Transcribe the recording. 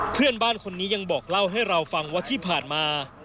เพื่อนบ้านคนนี้ยังบอกเล่าให้เราฟังว่าที่ผ่านมา